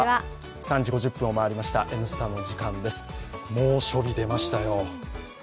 猛暑日出ましたよ。